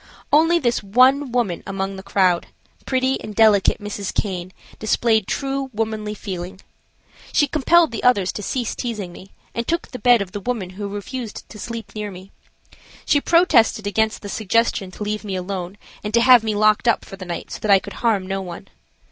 Only this one woman among the crowd, pretty and delicate Mrs. Caine, displayed true womanly feeling. She compelled the others to cease teasing me and took the bed of the woman who refused to sleep near me. She protested against the suggestion to leave me alone and to have me locked up for the night so that I could harm no one.